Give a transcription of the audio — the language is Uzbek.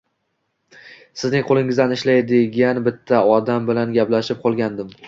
Sizning qo`lingizda ishlaydigan bitta odam bilan gaplashib qolgandim